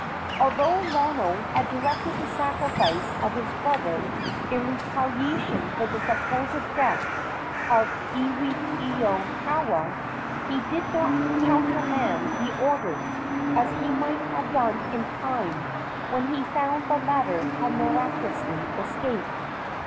Although Lono had directed the sacrifice of his brother in retaliation for the supposed death of Iwikauikaua, he did not countermand the order, as he might have done in time, when he found the latter had miraculously escaped.